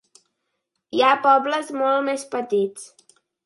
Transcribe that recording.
Hi ha pobles molt més petits.